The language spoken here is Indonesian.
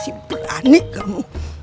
masih berani kamu